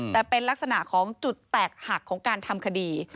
แต่เป็นลักษณะของจุดแตกหักของการทำคดี